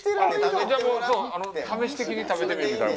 あっ、じゃあ、もう、そう、試し的に食べてみるみたいな。